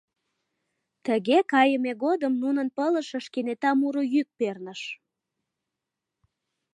Тыге кайыме годым нунын пылышыш кенета муро йӱк перныш: